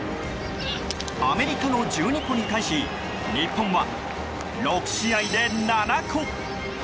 アメリカの１２個に対し日本は６試合で７個。